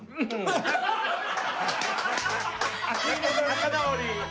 仲直り。